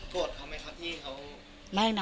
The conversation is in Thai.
โทษเขาไม่ครับที่เขา